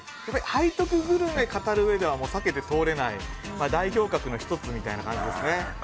背徳グルメ語るうえでは避けて通れない代表格の１つみたいな感じですね。